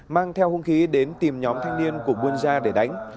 mang theo hung khí đến tìm nhóm thanh niên của buôn gia để đánh